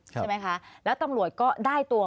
ใช่ไหมคะแล้วตำรวจก็ได้ตัว